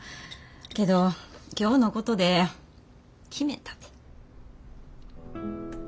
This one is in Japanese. けど今日のことで決めたて。